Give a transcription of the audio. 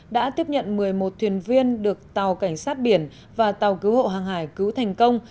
đã tiếp nhận một mươi một thuyền viên được tàu cảnh sát biển và tàu cứu hộ hàng hải cứu thành công